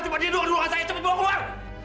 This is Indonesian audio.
coba dia doang doang saya cepat bawa keluar